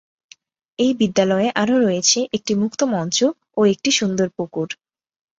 এই বিদ্যালয়ে আরো রয়েছে একটি মুক্ত মঞ্চ ও একটি সুন্দর পুকুর।